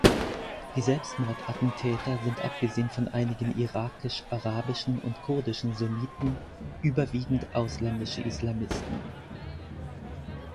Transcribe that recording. Die Selbstmordattentäter sind abgesehen von einigen irakisch-arabischen und kurdischen Sunniten überwiegend ausländische Islamisten.